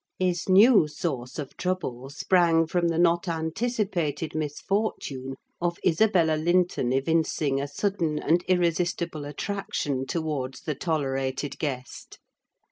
His new source of trouble sprang from the not anticipated misfortune of Isabella Linton evincing a sudden and irresistible attraction towards the tolerated guest.